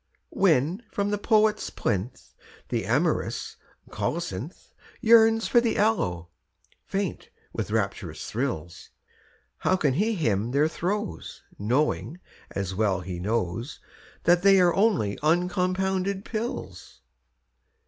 When from the poet's plinth The amorous colocynth Yearns for the aloe, faint with rapturous thrills, How can he hymn their throes Knowing, as well he knows, That they are only uncompounded pills?